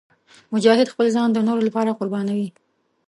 مجاهد خپل ځان د نورو لپاره قربانوي.